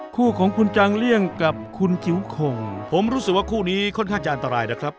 คู่ของคุณจังเลี่ยงกับคุณคิ้วข่งผมรู้สึกว่าคู่นี้ค่อนข้างจะอันตรายนะครับ